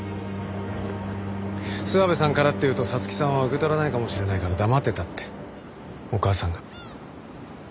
諏訪部さんからって言うと沙月さんは受け取らないかもしれないから黙ってたってお義母さんが。